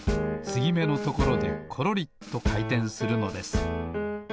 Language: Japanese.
つぎめのところでコロリとかいてんするのです。